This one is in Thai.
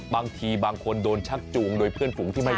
บางทีบางคนโดนชักจูงโดยเพื่อนฝูงที่ไม่